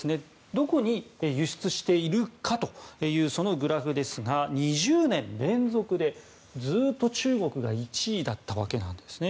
どこに輸出しているかというグラフですが２０年連続で、ずっと中国が１位だったわけです。